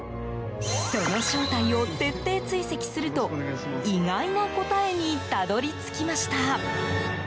その正体を徹底追跡すると意外な答えにたどり着きました。